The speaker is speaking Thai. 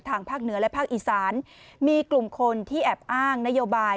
ภาคเหนือและภาคอีสานมีกลุ่มคนที่แอบอ้างนโยบาย